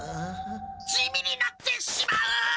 地味になってしまう！